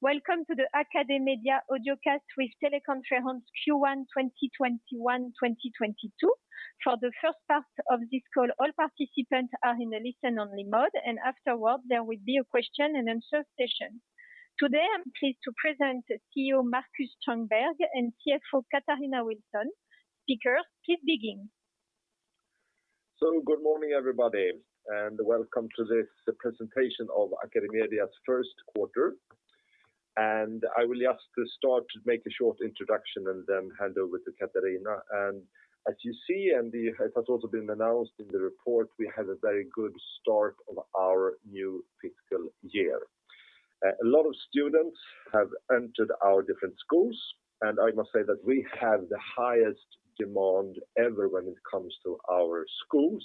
Welcome to the AcadeMedia Audiocast with Teleconference Q1 2021-2022. For the first part of this call, all participants are in a listen-only mode, and afterwards, there will be a question and answer session. Today, I'm pleased to present CEO Marcus Strömberg and CFO Katarina Wilson. Speakers, keep digging. Good morning, everybody, and welcome to this presentation of AcadeMedia's first quarter. I will just start to make a short introduction and then hand over to Katarina. As you see, and it has also been announced in the report, we had a very good start of our new fiscal year. A lot of students have entered our different schools, and I must say that we have the highest demand ever when it comes to our schools,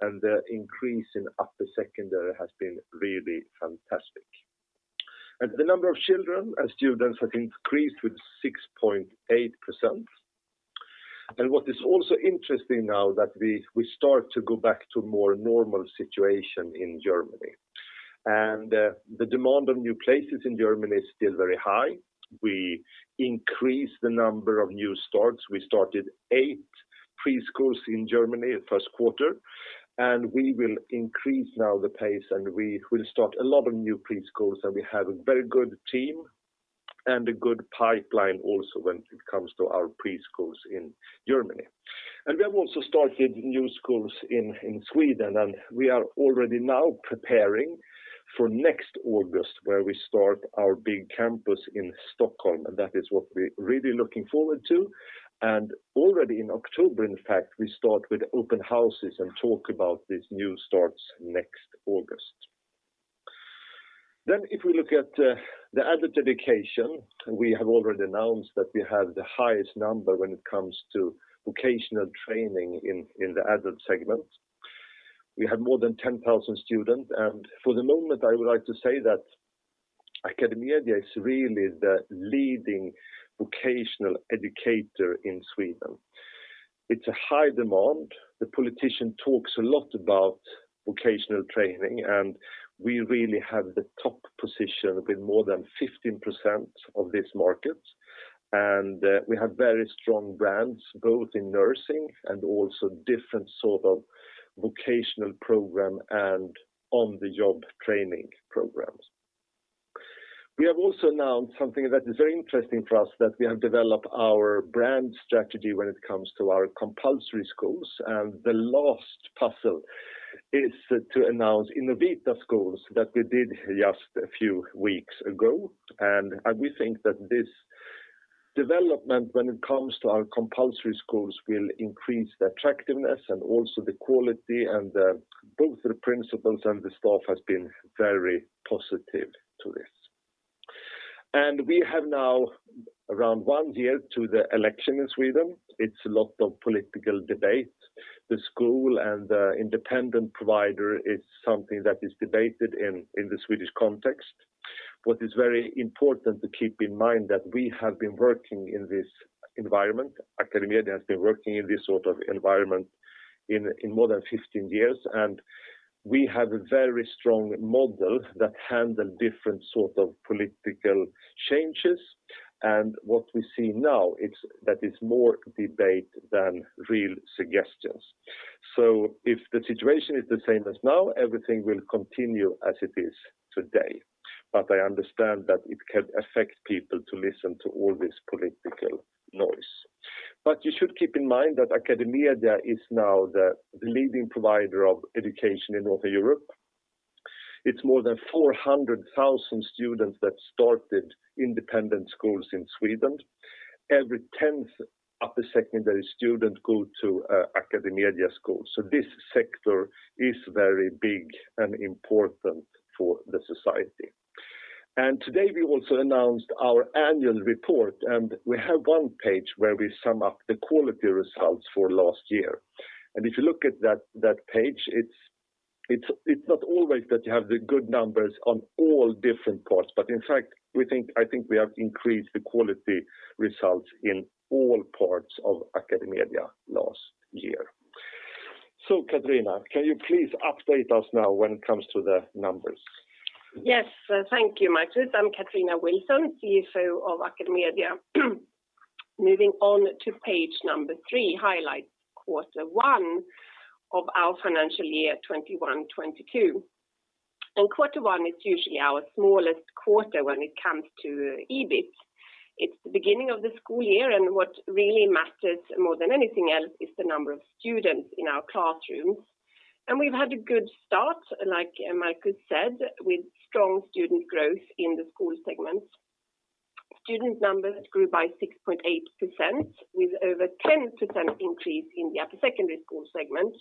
and the increase in upper secondary has been really fantastic. The number of children and students have increased with 6.8%. What is also interesting now that we start to go back to more normal situation in Germany. The demand of new places in Germany is still very high. We increase the number of new starts. We started eight preschools in Germany first quarter, and we will increase now the pace and we will start a lot of new preschools. We have a very good team and a good pipeline also when it comes to our preschools in Germany. We have also started new schools in Sweden, and we are already now preparing for next August, where we start our big campus in Stockholm. That is what we're really looking forward to. Already in October, in fact, we start with open houses and talk about these new starts next August. Then if we look at the adult education, we have already announced that we have the highest number when it comes to vocational training in the adult segment. We have more than 10,000 students. For the moment, I would like to say that AcadeMedia is really the leading vocational educator in Sweden. It's in high demand. The politician talks a lot about vocational training, and we really have the top position with more than 15% of this market. We have very strong brands, both in nursing and also different sort of vocational program and on-the-job training programs. We have also announced something that is very interesting for us, that we have developed our brand strategy when it comes to our compulsory schools. The last puzzle is to announce Innovitaskolan schools that we did just a few weeks ago. We think that this development, when it comes to our compulsory schools, will increase the attractiveness and also the quality. Both the principals and the staff has been very positive to this. We have now around one year to the election in Sweden. It's a lot of political debate. The school and the independent provider is something that is debated in the Swedish context. What is very important to keep in mind is that we have been working in this environment. AcadeMedia has been working in this sort of environment in more than 15 years, and we have a very strong model that handle different sort of political changes. What we see now is that it's more debate than real suggestions. If the situation is the same as now, everything will continue as it is today. I understand that it can affect people to listen to all this political noise. You should keep in mind that AcadeMedia is now the leading provider of education in Northern Europe. It's more than 400,000 students that started independent schools in Sweden. Every tenth upper secondary student go to a AcadeMedia school. This sector is very big and important for the society. Today, we also announced our annual report, and we have one page where we sum up the quality results for last year. If you look at that page, it's not always that you have the good numbers on all different parts. In fact, we think, I think we have increased the quality results in all parts of AcadeMedia last year. Katarina, can you please update us now when it comes to the numbers? Yes. Thank you, Marcus. I'm Katarina Wilson, CFO of AcadeMedia. Moving on to page three, highlights quarter 1 of our financial year 2021-2022. Quarter one is usually our smallest quarter when it comes to EBIT. It's the beginning of the school year, and what really matters more than anything else is the number of students in our classrooms. We've had a good start, like Marcus said, with strong student growth in the school segment. Student numbers grew by 6.8%, with over 10% increase in the upper secondary school segment.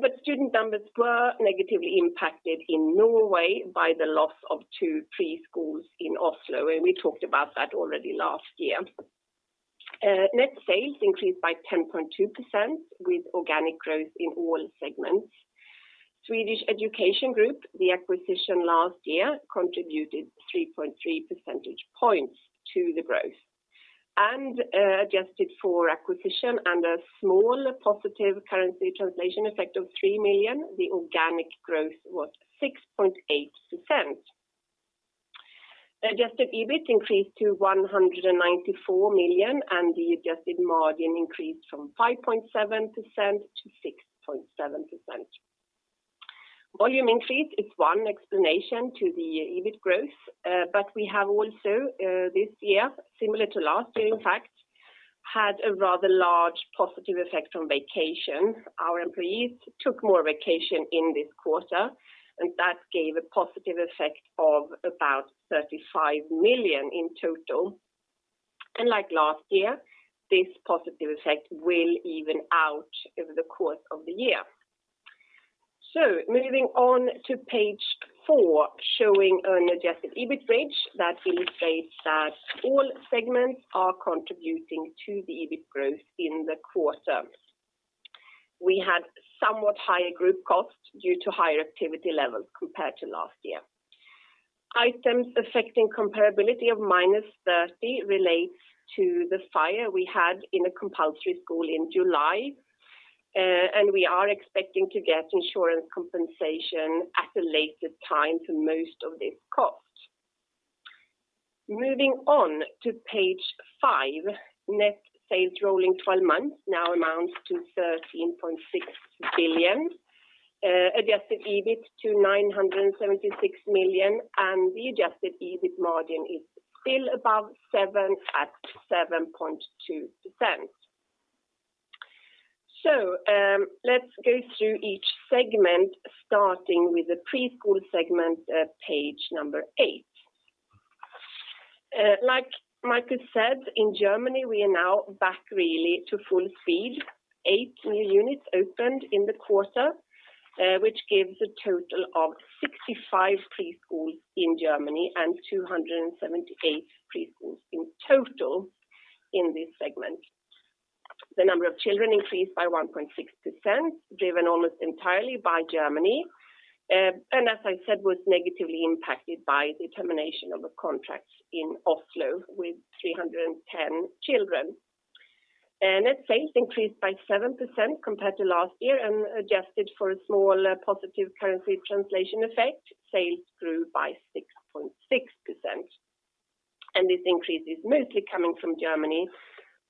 But student numbers were negatively impacted in Norway by the loss of two preschools in Oslo, and we talked about that already last year. Net sales increased by 10.2% with organic growth in all segments. Swedish Education Group, the acquisition last year, contributed 3.3 percentage points to the growth. Adjusted for acquisition and a small positive currency translation effect of 3 million, the organic growth was 6.8%. Adjusted EBIT increased to 194 million, and the adjusted margin increased from 5.7% to 6.7%. Volume increase is one explanation to the EBIT growth, but we have also this year, similar to last year in fact, had a rather large positive effect from vacation. Our employees took more vacation in this quarter, and that gave a positive effect of about 35 million in total. Like last year, this positive effect will even out over the course of the year. Moving on to page four, showing an adjusted EBIT bridge that illustrates that all segments are contributing to the EBIT growth in the quarter. We had somewhat higher group costs due to higher activity levels compared to last year. Items affecting comparability of -30 million relates to the fire we had in a compulsory school in July. We are expecting to get insurance compensation at a later time to most of this cost. Moving on to page five. Net sales rolling 12 months now amounts to 13.6 billion. Adjusted EBIT to 976 million, and the adjusted EBIT margin is still above 7% at 7.2%. Let's go through each segment starting with the preschool segment at page eight. Like Marcus said, in Germany, we are now back really to full speed. Eight new units opened in the quarter, which gives a total of 65 preschools in Germany and 278 preschools in total in this segment. The number of children increased by 1.6%, driven almost entirely by Germany and, as I said, negatively impacted by the termination of a contract in Oslo with 310 children. Net sales increased by 7% compared to last year and adjusted for a small positive currency translation effect, sales grew by 6.6%. This increase is mostly coming from Germany,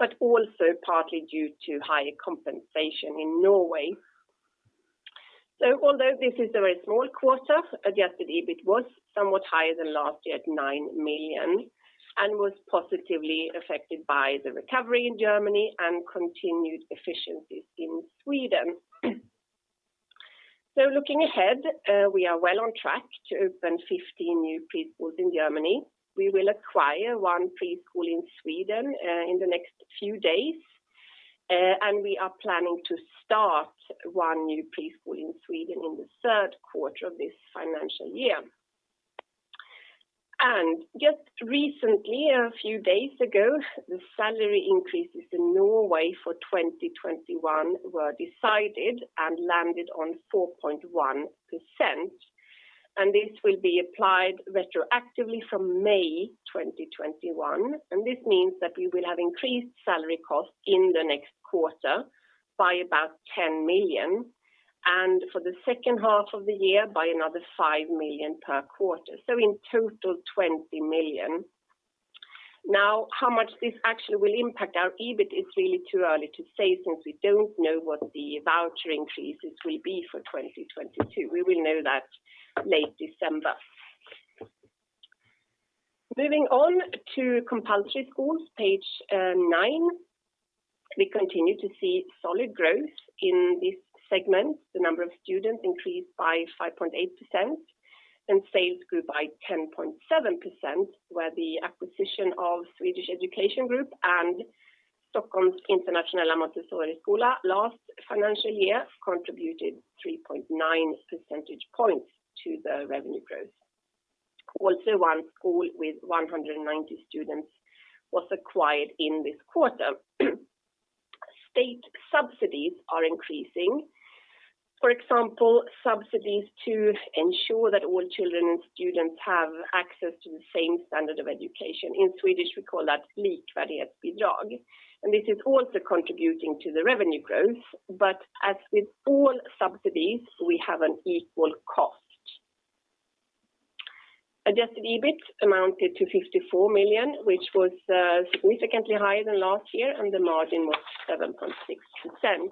but also partly due to higher compensation in Norway. Although this is a very small quarter, adjusted EBIT was somewhat higher than last year at 9 million and was positively affected by the recovery in Germany and continued efficiencies in Sweden. Looking ahead, we are well on track to open 15 new preschools in Germany. We will acquire one preschool in Sweden in the next few days. We are planning to start one new preschool in Sweden in the third quarter of this financial year. Just recently, a few days ago, the salary increases in Norway for 2021 were decided and landed on 4.1%, and this will be applied retroactively from May 2021. This means that we will have increased salary costs in the next quarter by about 10 million, and for the second half of the year by another 5 million per quarter. In total, 20 million. Now, how much this actually will impact our EBIT is really too early to say since we don't know what the voucher increases will be for 2022. We will know that in late December. Moving on to compulsory schools, page nine. We continue to see solid growth in this segment. The number of students increased by 5.8%, and sales grew by 10.7%, where the acquisition of Swedish Education Group and Stockholm International Montessori School last financial year contributed 3.9 percentage points to the revenue growth. Also, one school with 190 students was acquired in this quarter. State subsidies are increasing. For example, subsidies to ensure that all children and students have access to the same standard of education. In Swedish, we call that likvärdighetsbidraget, and this is also contributing to the revenue growth. As with all subsidies, we have an equal cost. Adjusted EBIT amounted to 54 million, which was significantly higher than last year, and the margin was 7.6%.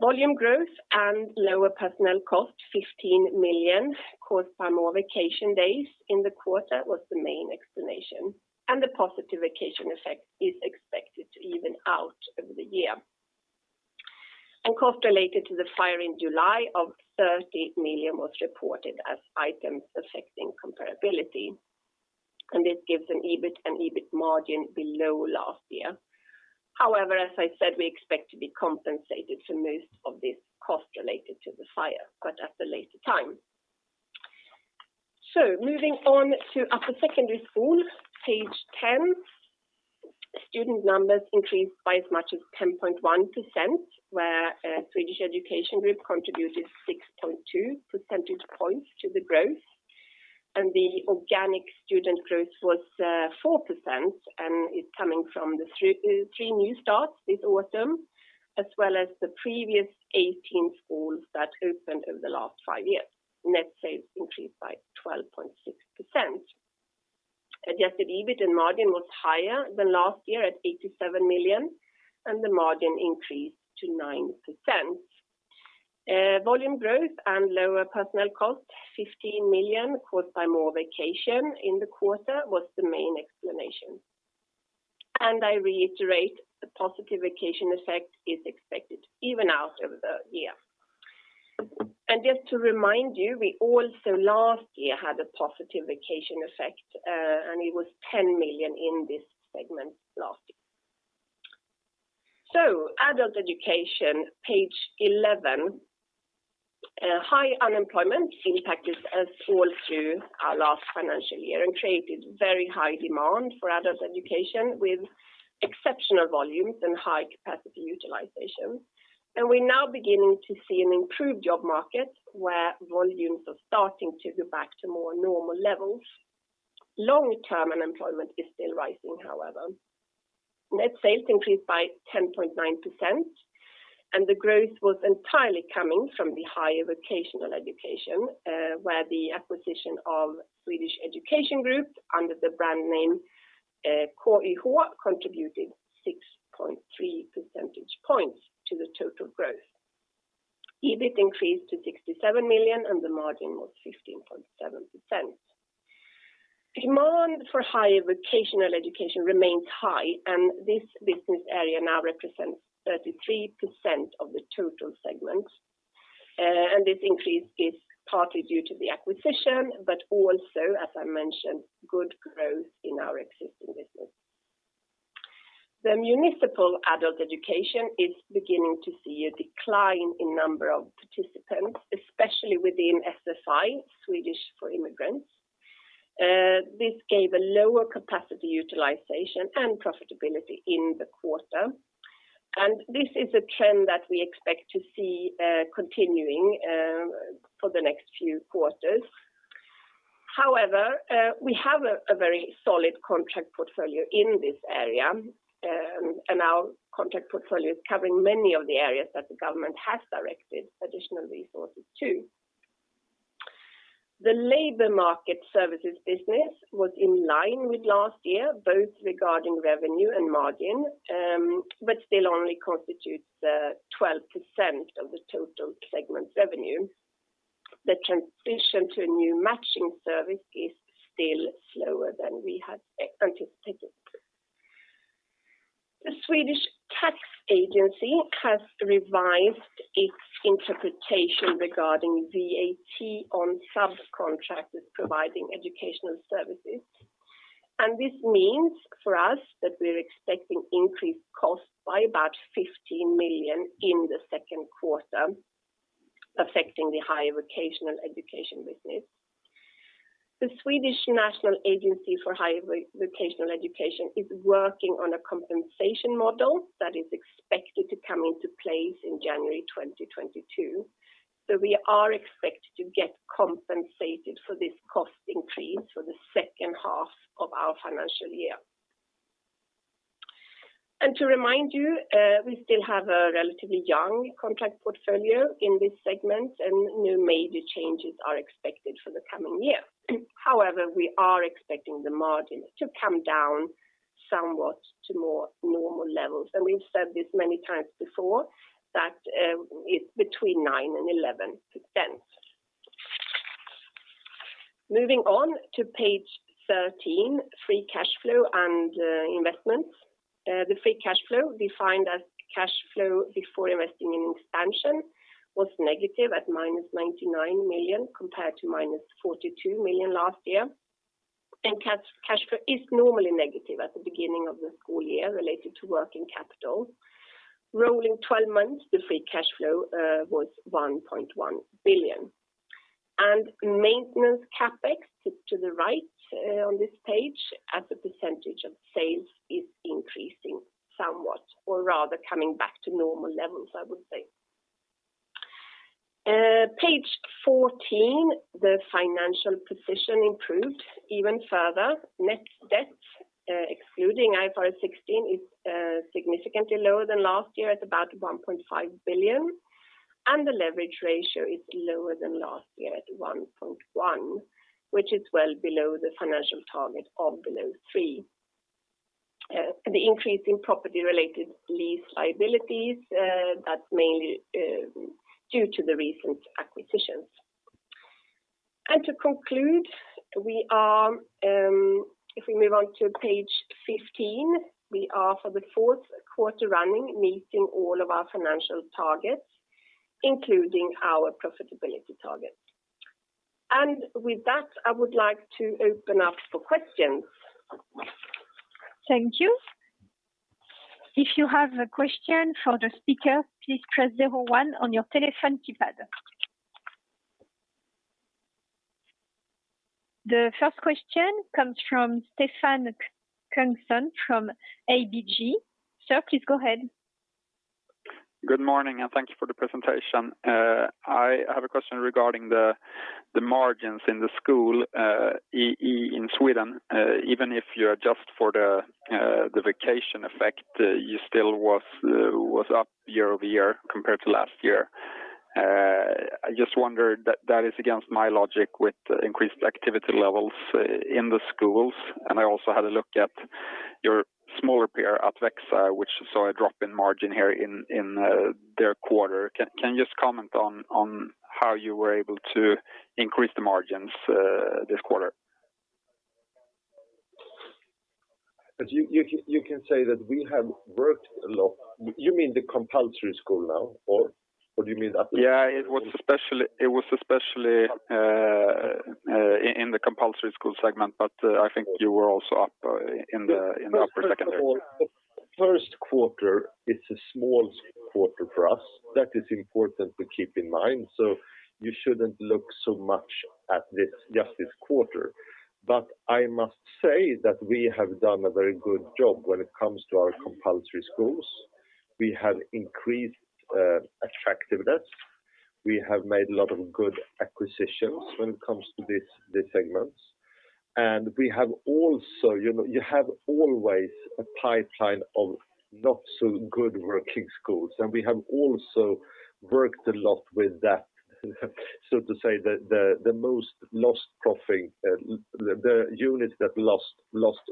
Volume growth and lower personnel costs, 15 million caused by more vacation days in the quarter, was the main explanation, and the positive vacation effect is expected to even out over the year. Costs related to the fire in July of 30 million was reported as items affecting comparability. This gives an EBIT and EBIT margin below last year. However, as I said, we expect to be compensated for most of this cost related to the fire, but at a later time. Moving on to upper secondary school, page ten. Student numbers increased by as much as 10.1%, where Swedish Education Group contributed 6.2 percentage points to the growth. The organic student growth was 4%, and it's coming from the three new starts this autumn, as well as the previous 18 schools that opened over the last five years. Net sales increased by 12.6%. Adjusted EBIT and margin was higher than last year at 87 million, and the margin increased to 9%. Volume growth and lower personnel costs, 15 million caused by more vacation in the quarter, was the main explanation. I reiterate the positive vacation effect is expected even out over the year. Just to remind you, we also last year had a positive vacation effect, and it was 10 million in this segment last year. Adult education, page 11. High unemployment impacted us all through our last financial year and created very high demand for adult education with exceptional volumes and high capacity utilization. We're now beginning to see an improved job market where volumes are starting to go back to more normal levels. Long-term unemployment is still rising, however. Net sales increased by 10.9%, and the growth was entirely coming from the higher vocational education, where the acquisition of Swedish Education Group under the brand name KYH contributed 6.3 percentage points to the total growth. EBIT increased to 67 million and the margin was 15.7%. Demand for higher vocational education remains high, and this business area now represents 33% of the total segment. This increase is partly due to the acquisition, but also, as I mentioned, good growth in our existing business. The municipal adult education is beginning to see a decline in number of participants, especially within SFI, Swedish for immigrants. This gave a lower capacity utilization and profitability in the quarter. This is a trend that we expect to see continuing for the next few quarters. However, we have a very solid contract portfolio in this area, and our contract portfolio is covering many of the areas that the government has directed additional resources to. The labor market services business was in line with last year, both regarding revenue and margin, but still only constitutes 12% of the total segment revenue. The transition to a new matching service is still slower than we had anticipated. The Swedish Tax Agency has revised its interpretation regarding VAT on subcontractors providing educational services. This means for us that we're expecting increased costs by about 15 million in the second quarter, affecting the higher vocational education business. The Swedish National Agency for Higher Vocational Education is working on a compensation model that is expected to come into place in January 2022. We are expected to get compensated for this cost increase for the second half of our financial year. To remind you, we still have a relatively young contract portfolio in this segment, and no major changes are expected for the coming year. However, we are expecting the margin to come down somewhat to more normal levels. We've said this many times before that, it's between 9%-11%. Moving on to page 13, free cash flow and investments. The free cash flow defined as cash flow before investing in expansion was negative at -99 million compared to -42 million last year. Cash flow is normally negative at the beginning of the school year related to working capital. Rolling twelve months, the free cash flow was 1.1 billion. Maintenance CapEx to the right on this page as a % of sales is increasing somewhat or rather coming back to normal levels, I would say. Page 14, the financial position improved even further. Net debt, excluding IFRS 16 is significantly lower than last year at about 1.5 billion, and the leverage ratio is lower than last year at 1.1, which is well below the financial target of below 3. The increase in property-related lease liabilities, that's mainly due to the recent acquisitions. To conclude, we are if we move on to page 15, we are for the fourth quarter running, meeting all of our financial targets, including our profitability targets. With that, I would like to open up for questions. Thank you. If you have a question for the speaker, please press zero one on your telephone keypad. The first question comes from Stefan Knutsson from ABG. Sir, please go ahead. Good morning, and thank you for the presentation. I have a question regarding the margins in the school in Sweden. Even if you adjust for the vacation effect, you still was up year-over-year compared to last year. I just wondered that is against my logic with increased activity levels in the schools. I also had a look at your smaller peer, Atvexa, which saw a drop in margin here in their quarter. Can you just comment on how you were able to increase the margins this quarter? You can say that we have worked a lot. You mean the compulsory school now, or do you mean upper secondary? Yeah. It was especially in the compulsory school segment. I think you were also up in the upper secondary. First of all, the first quarter is a small quarter for us. That is important to keep in mind, so you shouldn't look so much at this, just this quarter. I must say that we have done a very good job when it comes to our compulsory schools. We have increased attractiveness. We have made a lot of good acquisitions when it comes to this, the segments. We have also you know, you have always a pipeline of not so good working schools, and we have also worked a lot with that. To say the most lost profit the units that lost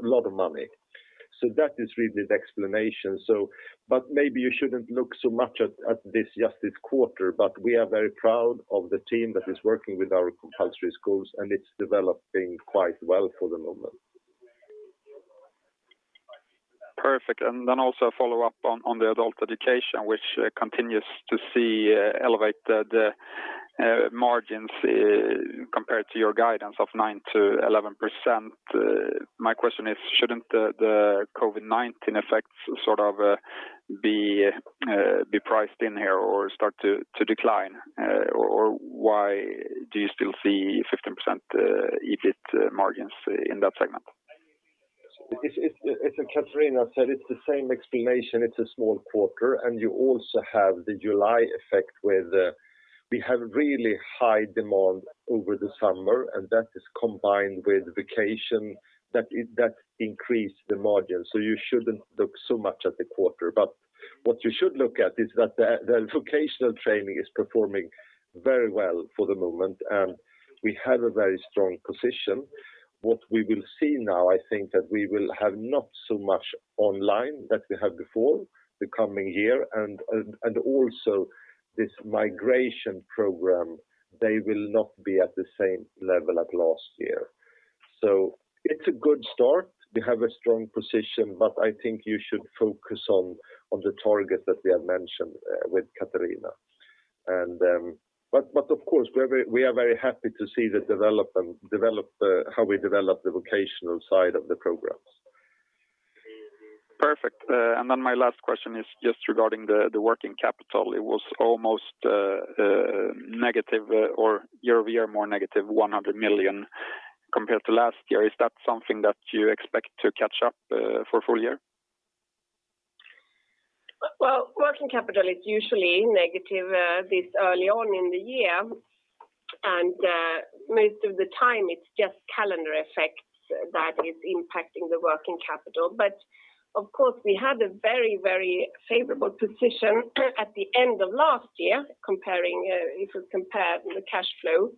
a lot of money. That is really the explanation. Maybe you shouldn't look so much at this, just this quarter. We are very proud of the team that is working with our compulsory schools, and it's developing quite well for the moment. Perfect. Also a follow-up on the adult education, which continues to see elevated margins compared to your guidance of 9%-11%. My question is, shouldn't the COVID-19 effects sort of be priced in here or start to decline? Or why do you still see 15% EBIT margins in that segment? It's as Katarina said, it's the same explanation. It's a small quarter, and you also have the July effect with we have really high demand over the summer, and that is combined with vacation that increased the margin. You shouldn't look so much at the quarter. What you should look at is that the vocational training is performing very well for the moment, and we have a very strong position. What we will see now, I think that we will have not so much online that we had before the coming year and also this migration program, they will not be at the same level as last year. It's a good start. We have a strong position, but I think you should focus on the target that we have mentioned with Katarina. Of course, we are very happy to see how we develop the vocational side of the programs. Perfect. My last question is just regarding the working capital. It was almost negative or year-over-year more negative 100 million compared to last year. Is that something that you expect to catch up for full year? Well, working capital is usually negative this early on in the year. Most of the time it's just calendar effects that is impacting the working capital. Of course, we had a very, very favorable position at the end of last year, comparing if you compare the cash flow.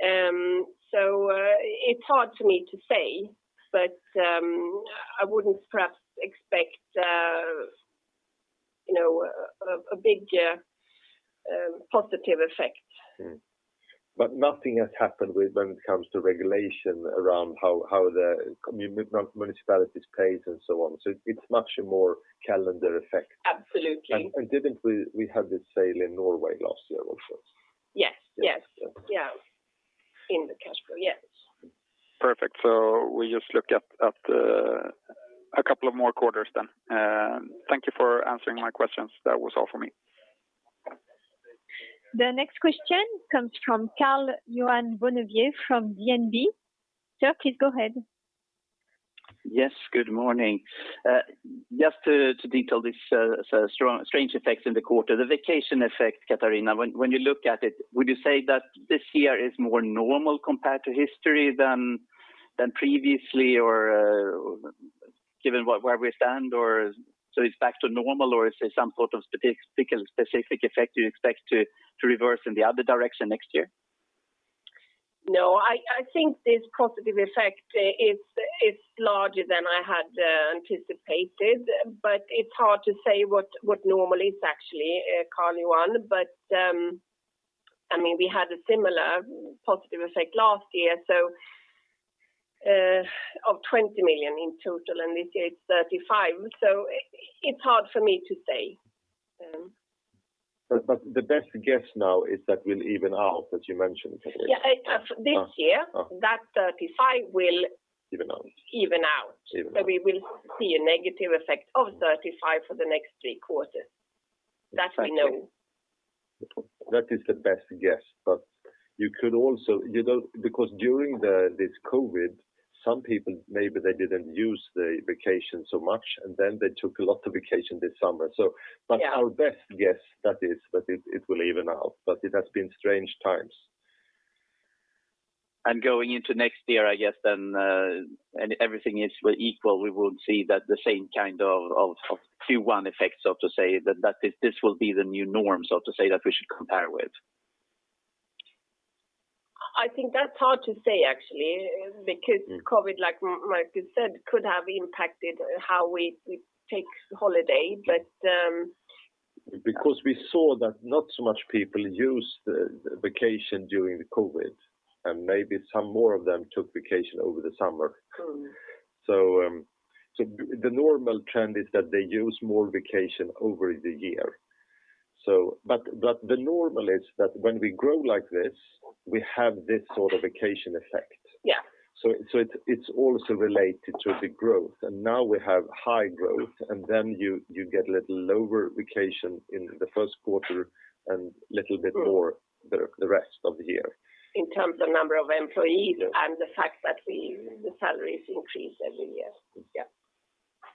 It's hard for me to say, but I wouldn't perhaps expect you know a big positive effect. Nothing has happened when it comes to regulation around how the municipalities pays and so on. It's much more calendar effect. Absolutely. Didn't we have the sale in Norway last year also? Yes, Yeah. In the cash flow, yes. Perfect. We just look at a couple of more quarters then. Thank you for answering my questions. That was all for me. The next question comes from Karl-Johan Bonnevier from DNB. Sir, please go ahead. Yes, good morning. Just to detail this strong strange effects in the quarter. The vacation effect, Katarina, when you look at it, would you say that this year is more normal compared to history than previously or, given where we stand or so it's back to normal or is there some sort of specific effect you expect to reverse in the other direction next year? No, I think this positive effect is larger than I had anticipated, but it's hard to say what normal is actually, Karl-Johan Bonnevier. I mean, we had a similar positive effect last year, so, of 20 million in total, and this year it's 35 million. It's hard for me to say. The best guess now is that will even out, as you mentioned previously. Yeah, this year. Uh. That 35 will even out. We will see a negative effect of 35 for the next three quarters. That we know. That is the best guess. You could also, you know, because during this COVID, some people, maybe they didn't use the vacation so much, and then they took a lot of vacation this summer. Yeah. Our best guess, that is, that it will even out, but it has been strange times. Going into next year, I guess then, and everything is all else equal, we would see that the same kind of of Q1 effects, so to say, that this will be the new norm, so to say, that we should compare with. I think that's hard to say actually, because COVID, like you said, could have impacted how we take holiday. Because we saw that not so much people used vacation during the COVID, and maybe some more of them took vacation over the summer. The normal trend is that they use more vacation over the year. The normal is that when we grow like this, we have this sort of vacation effect. Yeah. It’s also related to the growth. Now we have high growth, and then you get a little lower valuation in the first quarter and little bit more the rest of the year. In terms of number of employees. Yeah. The fact that the salaries increase every year.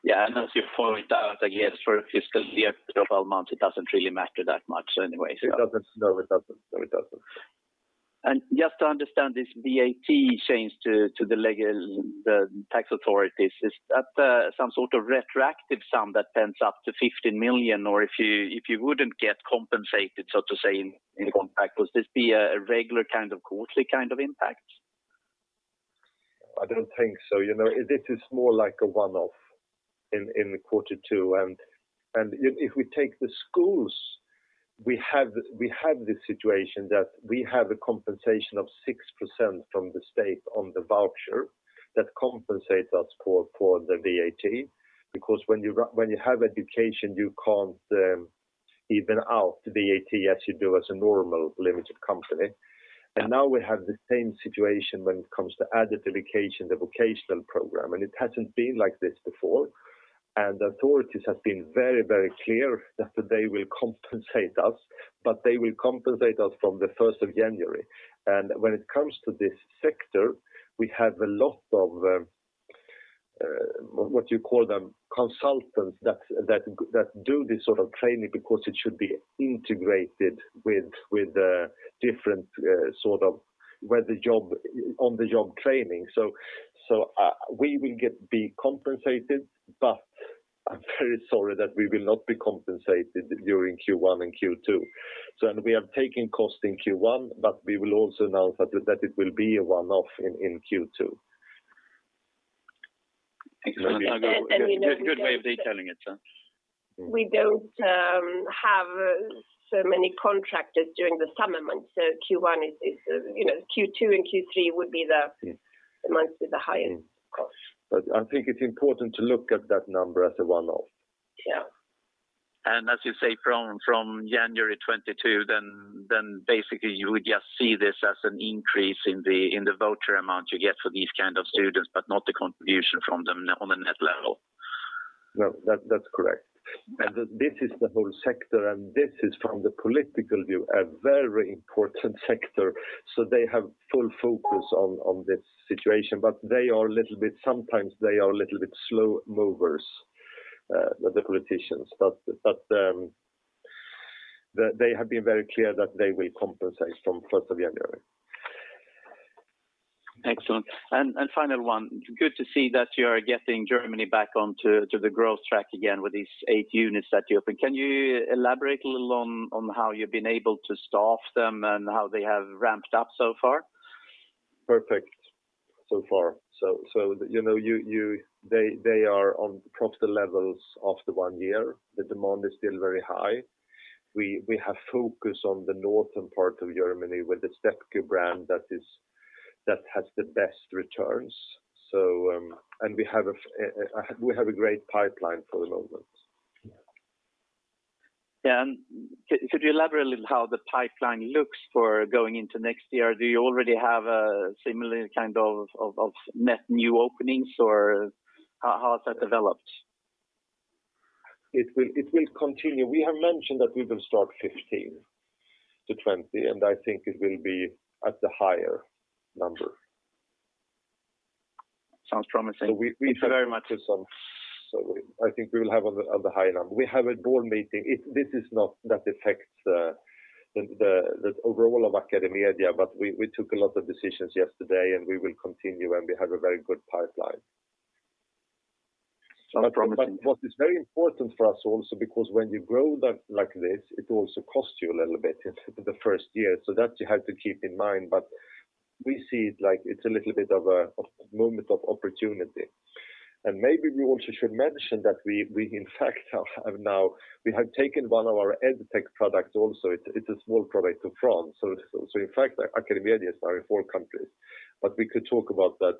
Yeah. Yeah. As you point out, I guess for a fiscal year of 12 months, it doesn't really matter that much anyway, so. It doesn't. No, it doesn't. Just to understand this VAT change to the tax authorities. Is that some sort of retroactive sum that ends up to 50 million? Or if you wouldn't get compensated, so to say, in compact, would this be a regular kind of quarterly kind of impact? I don't think so. You know, this is more like a one-off in quarter two. If we take the schools, we have the situation that we have a compensation of 6% from the state on the voucher that compensates us for the VAT. Because when you have education, you can't even out the VAT as you do in a normal limited company. Now we have the same situation when it comes to adult education, the vocational program, and it hasn't been like this before. The authorities have been very clear that they will compensate us, but they will compensate us from the first of January. When it comes to this sector, we have a lot of what you call them, consultants that do this sort of training because it should be integrated with the different sort of on-the-job training. We will be compensated, but I'm very sorry that we will not be compensated during Q1 and Q2. We have taken cost in Q1, but we will also announce that it will be a one-off in Q2. Excellent. We don't. Good way of detailing it. We don't have so many contractors during the summer months, so Q1 is, you know, Q2 and Q3 would be the Yeah. the months with the highest cost. I think it's important to look at that number as a one-off. Yeah. As you say, from January 2022, then basically you would just see this as an increase in the voucher amount you get for these kind of students, but not the contribution from them on a net level. No, that's correct. This is the whole sector, and this is from the political view, a very important sector. They have full focus on this situation. They are a little bit, sometimes they are a little bit slow movers, the politicians. They have been very clear that they will compensate from first of January. Excellent. Final one. Good to see that you are getting Germany back onto the growth track again with these 8 units that you opened. Can you elaborate a little on how you've been able to staff them and how they have ramped up so far? Perfect so far. You know, they are on profit levels after one year. The demand is still very high. We have focus on the northern part of Germany with the Stepke brand that has the best returns. We have a great pipeline for the moment. Yeah. Could you elaborate a little how the pipeline looks for going into next year? Do you already have a similar kind of net new openings, or how has that developed? It will continue. We have mentioned that we will start 15-20, and I think it will be at the higher number. Sounds promising. Thank you very much. I think we will have on the high number. We have a board meeting. This is not that affects the overall of AcadeMedia, but we took a lot of decisions yesterday, and we will continue, and we have a very good pipeline. Sounds promising. What is very important for us also, because when you grow that like this, it also costs you a little bit in the first year. That you have to keep in mind. We see it like it's a little bit of a moment of opportunity. Maybe we also should mention that we in fact have now taken one of our Edtech products also. It is small product to France. In fact, AcadeMedia is now in four countries. We could talk about that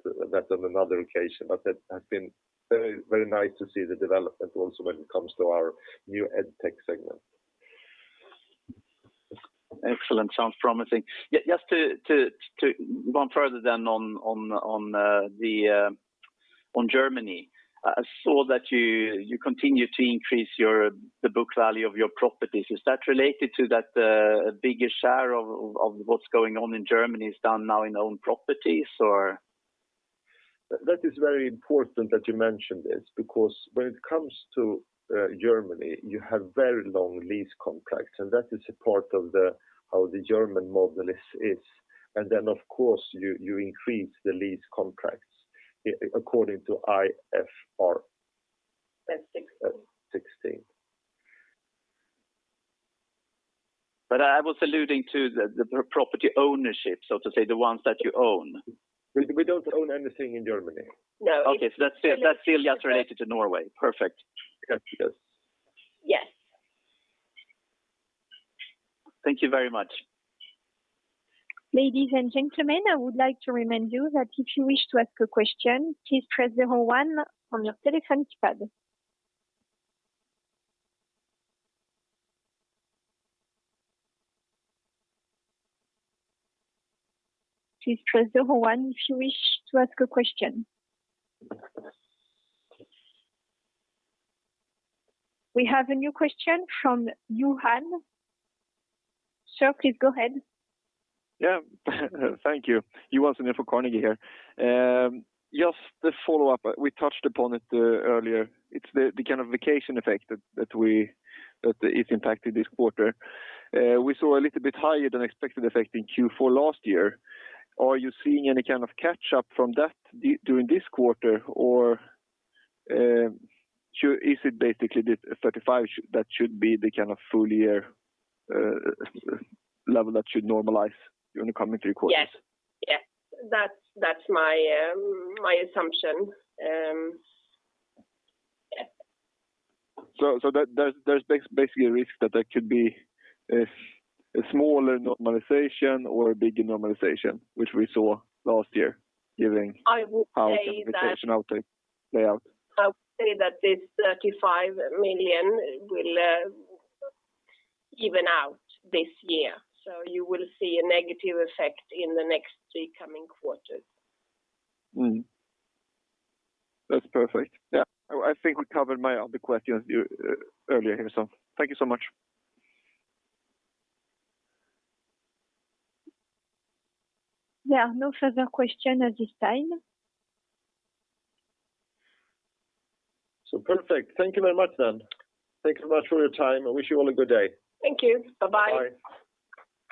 on another occasion. That has been very nice to see the development also when it comes to our new Edtech segment. Excellent. Sounds promising. Yes, to go on further on Germany. I saw that you continue to increase the book value of your properties. Is that related to that bigger share of what's going on in Germany is done now in owned properties or? That is very important that you mentioned this because when it comes to Germany, you have very long lease contracts, and that is a part of how the German model is. Then of course you increase the lease contracts according to IFRS. That's 16. Sixteen. I was alluding to the property ownership, so to say the ones that you own. We don't own anything in Germany. No. Okay. That's really just related to Norway. Perfect. Yes. Yes. Thank you very much. Ladies and gentlemen, I would like to remind you that if you wish to ask a question, please press zero-one on your telephone keypad. Please press zero-one if you wish to ask a question. We have a new question from Johan. Sir, please go ahead. Yeah. Thank you. Johan Sundén for Carnegie here. Just a follow-up. We touched upon it earlier. It's the kind of vacation effect that it impacted this quarter. We saw a little bit higher than expected effect in Q4 last year. Are you seeing any kind of catch-up from that during this quarter? Or, so is it basically the 35 that should be the kind of full year level that should normalize during the coming three quarters? Yes. Yes. That's my assumption. Yeah. There's basically a risk that there could be a smaller normalization or a bigger normalization, which we saw last year giving out vacation outtake layout. I would say that this 35 million will even out this year. You will see a negative effect in the next three coming quarters. Mm-hmm. That's perfect. Yeah. I think we covered my other questions earlier here, so thank you so much. There are no further questions at this time. Perfect. Thank you very much then. Thank you so much for your time. I wish you all a good day. Thank you. Bye-bye. Bye.